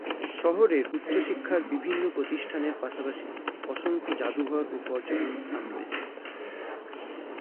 শহরে উচ্চশিক্ষার বিভিন্ন প্রতিষ্ঠানের পাশাপাশি অসংখ্য জাদুঘর ও পর্যটন স্থান রয়েছে।